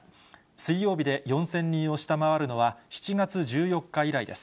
水曜日で４０００人を下回るのは７月１４日以来です。